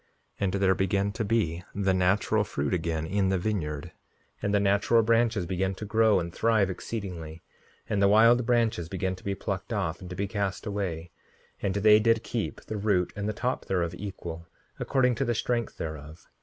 5:73 And there began to be the natural fruit again in the vineyard; and the natural branches began to grow and thrive exceedingly; and the wild branches began to be plucked off and to be cast away; and they did keep the root and the top thereof equal, according to the strength thereof.